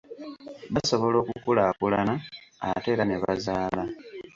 Basobola okukulaakulana ate era nebazaala.